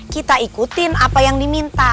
kita ikutin apa yang diminta